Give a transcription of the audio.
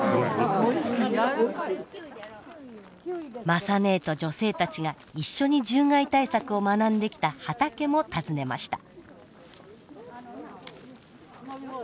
雅ねえと女性たちが一緒に獣害対策を学んできた畑も訪ねました。